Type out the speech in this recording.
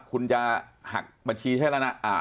คุณจะหักบัญชีใช่แล้วนะ